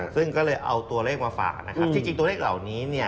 ซึ่งก็เลยเอาตัวเลขมาฝากนะครับที่จริงตัวเลขเหล่านี้เนี่ย